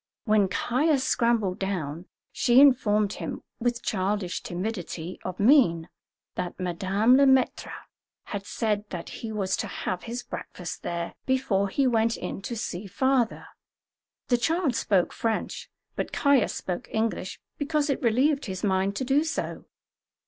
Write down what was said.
When Caius scrambled down, she informed him, with childish timidity of mien, that Madame Le Maître had said that he was to have his breakfast there before he went in to see "father." The child spoke French, but Caius spoke English because it relieved his mind to do so.